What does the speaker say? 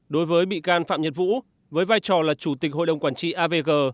đối với bị can phạm nhật vũ với vai trò là chủ tịch hội đồng quản trị avg